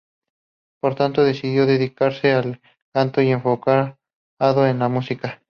Por tanto, decidió dedicarse al canto y se enfocó en la música.